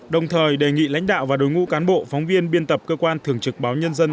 đồng thời đề nghị lãnh đạo và đối ngũ cán bộ phóng viên biên tập cơ quan thường trực báo nhân dân